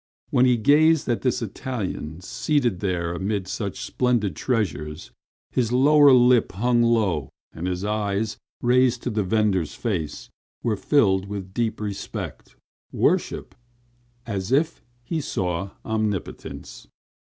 When he gazed at this Italian seated amid such splendid treasures, his lower lip hung low and his eyes, raised to the vendor's face, were filled with deep respect, worship, as if he saw omnipotence.